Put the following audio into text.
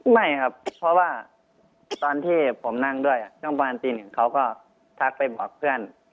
ไม่ครับเพราะว่าตอนที่ผมนั่งด้วยช่วงประมาณตีหนึ่งเขาก็ทักไปบอกเพื่อน